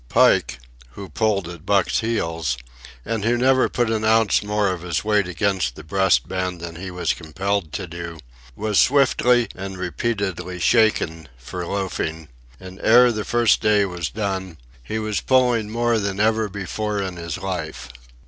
Pike, who pulled at Buck's heels, and who never put an ounce more of his weight against the breast band than he was compelled to do, was swiftly and repeatedly shaken for loafing; and ere the first day was done he was pulling more than ever before in his life.